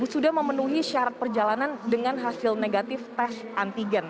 sudah memenuhi syarat perjalanan dengan hasil negatif tes antigen